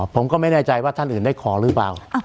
ผมก็ไม่แน่ใจว่าท่านอื่นได้ขอหรือเปล่า